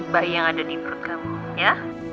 bayi yang ada di perut kamu ya